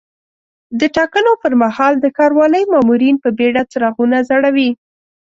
د ټاکنو پر مهال د ښاروالۍ مامورین په بیړه څراغونه ځړوي.